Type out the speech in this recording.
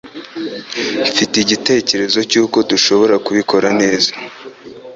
Mfite igitekerezo cyuko dushobora kubikora neza.